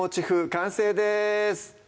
完成です